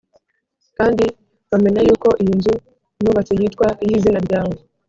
kandi bamenye yuko iyi nzu nubatse yitwa iy’izina ryawe